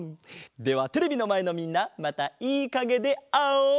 ではテレビのまえのみんなまたいいかげであおう！